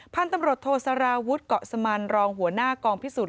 พันธุ์ตำรวจโทษสารวุฒิเกาะสมันรองหัวหน้ากองพิสูจน